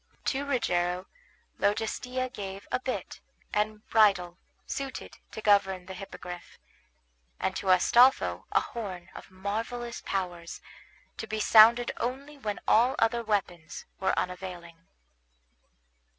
To Rogero Logestilla gave a bit and bridle suited to govern the Hippogriff; and to Astolpho a horn of marvellous powers, to be sounded only when all other weapons were unavailing.